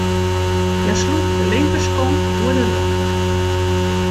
Hja sloech de linkerskonk oer de rjochter.